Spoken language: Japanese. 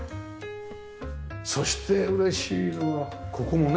そしてうれしいのはここもね。